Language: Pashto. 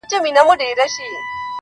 راسه قاسم یاره نن یو څه شراب زاړه لرم,